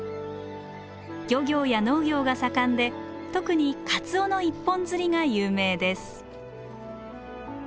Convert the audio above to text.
漁業や農業が盛んで特にかつおの一本釣りが有名です。